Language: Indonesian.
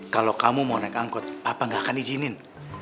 kalau kamu mau naik angkot papa nggak akan izinin